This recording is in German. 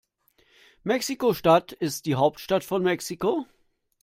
Mexiko-Stadt ist die Hauptstadt von Mexiko.